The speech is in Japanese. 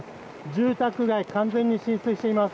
住宅街、完全に浸水しています。